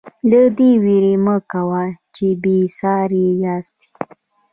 له دې وېرې مه کوئ چې بې ساري یاستئ.